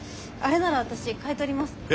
あれなら私買い取ります。